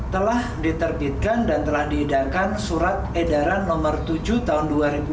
telah diterbitkan dan telah dihidangkan surat edaran nomor tujuh tahun dua ribu dua puluh